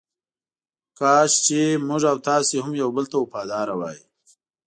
کاش چې موږ او تاسې هم یو بل ته وفاداره وای.